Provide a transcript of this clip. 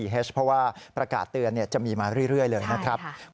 เพราะว่าประกาศเตือนจะมีมาเรื่อยเลยนะครับ